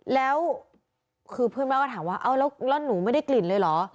แล้วคือเพื่อนบ้านก็ถามว่าเอาแล้วหนูไม่ได้กลิ่นเลยเหรอ